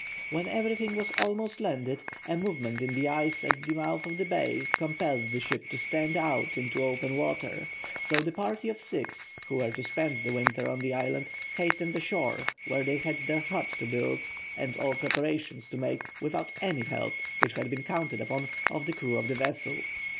When everything was almost landed, a movement in the ice at the mouth of the bay compelled the ship to stand out into open water, so the party of six, who were to spend the winter on the island, hastened ashore, where they had their hut to build and all preparations to make without the help, which had been counted upon, of the crew of the vessel.